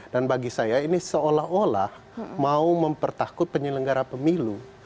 dan bagi saya ini seolah olah mau mempertakut penyelenggara pemilu